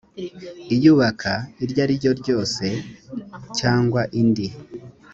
iyubaka iryo ariryo ryose cyangwa indi